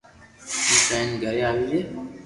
جائين گھري آوي جي